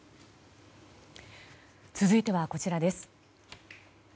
続いては、こちらです。